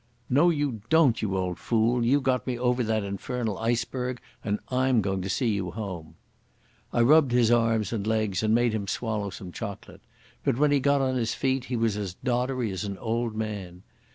"No, you don't, you old fool. You've got me over that infernal iceberg, and I'm going to see you home." I rubbed his arms and legs and made him swallow some chocolate. But when he got on his feet he was as doddery as an old man.